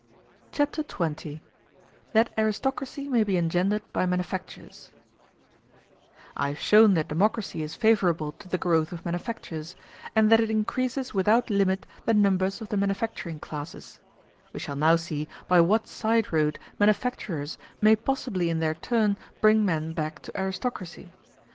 Chapter XX: That Aristocracy May Be Engendered By Manufactures I have shown that democracy is favorable to the growth of manufactures, and that it increases without limit the numbers of the manufacturing classes: we shall now see by what side road manufacturers may possibly in their turn bring men back to aristocracy.